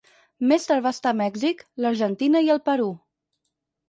Més tard va estar a Mèxic, l'Argentina i el Perú.